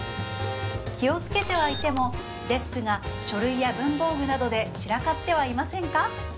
気をつけてはいてもデスクが書類や文房具などで散らかってはいませんか？